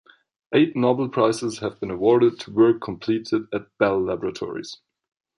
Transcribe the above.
Eight Nobel Prizes have been awarded for work completed at Bell Laboratories.